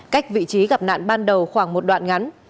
cách vị trí gặp nạn ban đầu khoảng một đoạn ngắn